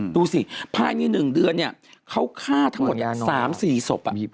ดูสิภายใน๑เดือนเขาฆ่าทั้งหมด๓๔ศพ